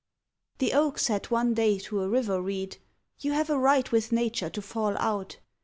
The Oak said one day to a river Reed, "You have a right with Nature to fall out.